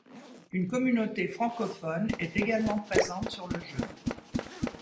Une communauté francophone est également présente sur le jeu.